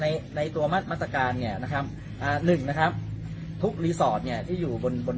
ในในตัวมัดมาตรการเนี่ยนะครับอ่าหนึ่งนะครับทุกรีสอร์ทเนี่ยที่อยู่บนบน